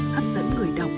hấp dẫn người đọc